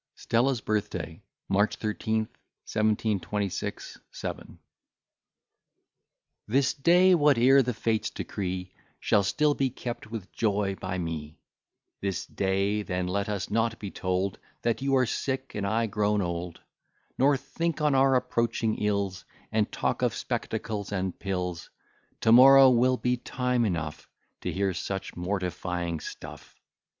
STELLA'S BIRTH DAY MARCH 13, 1726 7 This day, whate'er the Fates decree, Shall still be kept with joy by me: This day then let us not be told, That you are sick, and I grown old; Nor think on our approaching ills, And talk of spectacles and pills; To morrow will be time enough To hear such mortifying stuff.